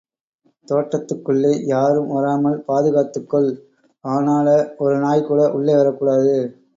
தோட்டத்துக்குள்ளே யாரும் வராமல் பாதுகாத்துக்கொள்! ஆனால... ஒரு நாய் கூட உள்ளே வரக்கூடாது.